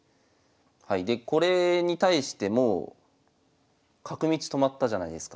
でこれに対しても角道止まったじゃないですか。